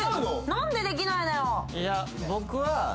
何でできないのよ？